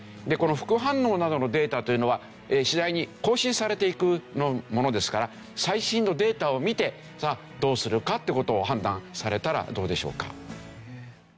でこの副反応などのデータというのは次第に更新されていくものですから最新のデータを見てどうするかって事を判断されたらどうでしょうか？